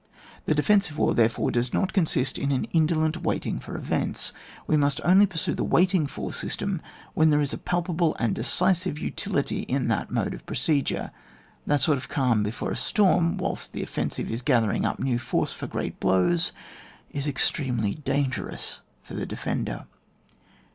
The defensive war, therefore, does not consist in an indolent waiting for events ; we must only pursue the waiting for system where there is a palpable and decisive utility in that mode of proce dure. That sort of calm before a storm, whilst the offensive is gathering up new force for great blows, is extremely dan gerous for the defender.